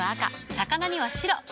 魚には白。